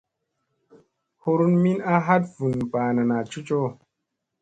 Hurun min a hat vun banana cocoʼo.